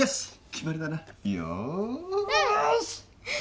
決まりだなよしうん！